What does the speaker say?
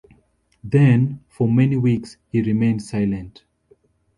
Then, for many weeks he remained silent.